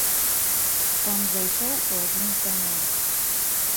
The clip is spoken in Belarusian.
Там зайшоў у адзін з дамоў.